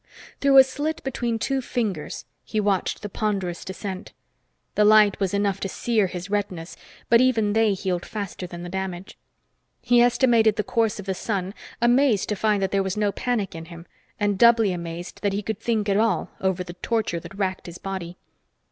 Through a slit between two fingers, he watched the ponderous descent. The light was enough to sear his retinas, but even they healed faster than the damage. He estimated the course of the sun, amazed to find that there was no panic in him, and doubly amazed that he could think at all over the torture that wracked his body.